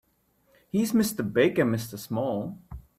He's Mr. Big and Mr. Small.